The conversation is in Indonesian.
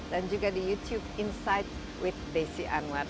dan juga di youtube insight with desi anwar